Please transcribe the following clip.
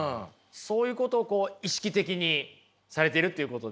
そういうことを意識的にされているということですね。